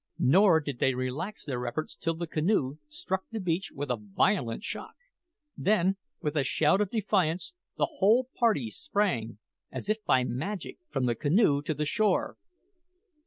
Nor did they relax their efforts till the canoe struck the beach with a violent shock; then, with a shout of defiance, the whole party sprang, as if by magic, from the canoe to the shore.